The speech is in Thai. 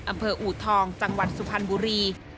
อำเภออูทองจังหวัดสุพรรณบุรี